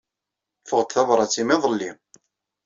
Ḍḍfeɣ-d tabṛat-nnem iḍelli.